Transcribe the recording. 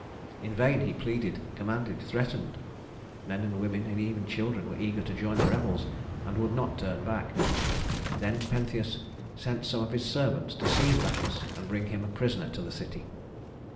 In vain he pleaded, commanded, threatened. Men and women, and even children, were eager to join in the revels, and would not turn back. Then Pentheus sent some of his servants to seize Bacchus and bring him a prisoner to the city.